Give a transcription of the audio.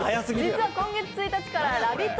実は今月１日からラヴィット！